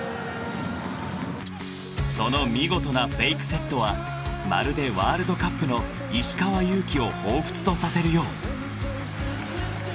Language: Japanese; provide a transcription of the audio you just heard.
［その見事なフェイクセットはまるでワールドカップの石川祐希をほうふつとさせるよう］